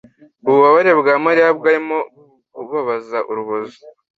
Ububabare bwa Mariya bwarimo bubabaza urubozo